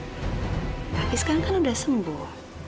tapi sekarang kan sudah sembuh